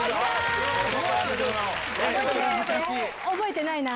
覚えてないな。